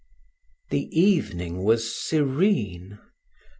The evening was serene.